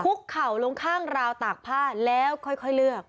เข่าลงข้างราวตากผ้าแล้วค่อยเลือก